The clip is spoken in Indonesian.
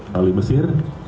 masuk ke mesir